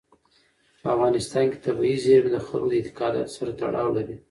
په افغانستان کې طبیعي زیرمې د خلکو د اعتقاداتو سره تړاو لري.